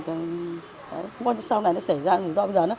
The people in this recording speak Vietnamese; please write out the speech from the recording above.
không có như sau này nó xảy ra